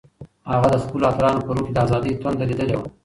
هغه د خپلو اتلانو په روح کې د ازادۍ تنده لیدلې وه.